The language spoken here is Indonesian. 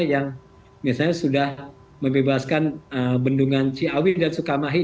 yang misalnya sudah membebaskan bendungan ciawi dan sukamahi